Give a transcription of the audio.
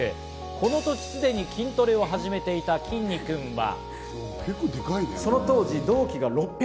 この時、すでに筋トレを始めていたきんに君は。